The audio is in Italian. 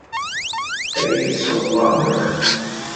Tales of Wonder